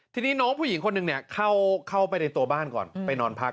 ทีนี้น้องผู้หญิงคนหนึ่งเนี่ยเข้าไปในตัวบ้านก่อนไปนอนพัก